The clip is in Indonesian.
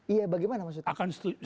iya bagaimana maksudnya